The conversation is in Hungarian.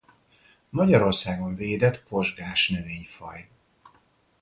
Magyarországon védett pozsgás növényfaj.